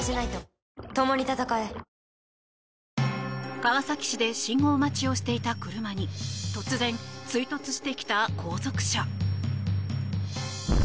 川崎市で信号待ちをしていた車に突然、追突してきた後続車。